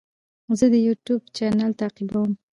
زه د یوټیوب چینل تعقیبوم.